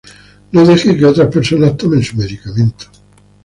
No deje que otras personas tomen su medicamento.